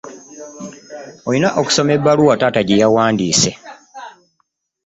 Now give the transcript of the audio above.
Olina okusoma ebaluwa taata gyeyawandiise.